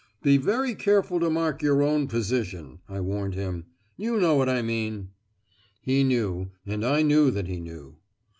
"Be very careful to mark your own position," I warned him. "You know what I mean." He knew, and I knew that he knew.